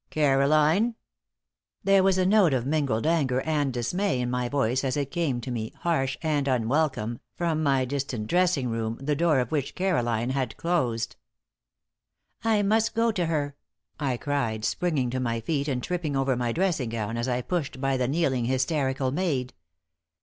"Caroline!" There was a note of mingled anger and dismay in my voice as it came to me, harsh and unwelcome, from my distant dressing room, the door of which Caroline had closed. "I must go to her!" I cried, springing to my feet, and tripping over my dressing gown as I pushed by the kneeling, hysterical maid.